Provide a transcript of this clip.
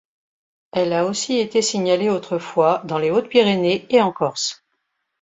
Elle a aussi été signalée autrefois dans les Hautes-Pyrénées et en Corse.